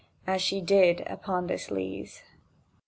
As she did upon this leaze.